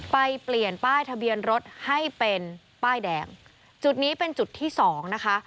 ไปเปลี่ยนป้ายทะเบียนรถให้เป็นป้ายแดงจุดนี้เป็นจุดที่สองนะคะ